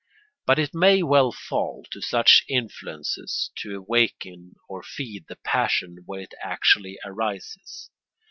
But it may well fall to such influences to awaken or feed the passion where it actually arises.